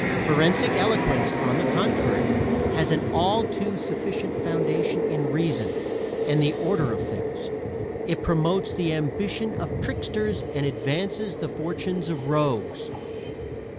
Forensic eloquence, on the contrary, has an all too sufficient foundation in reason and the order of things: it promotes the ambition of tricksters and advances the fortunes of rogues.